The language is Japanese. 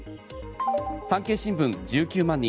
産経新聞、１９万人。